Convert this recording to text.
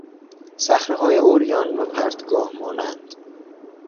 صخرههای عریان و پرتگاه مانند